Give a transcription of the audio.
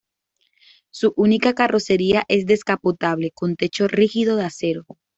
Su única carrocería es descapotable con techo rígido de acero.